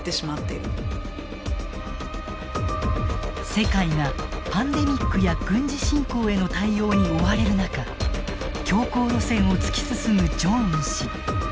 世界がパンデミックや軍事侵攻への対応に追われる中強硬路線を突き進むジョンウン氏。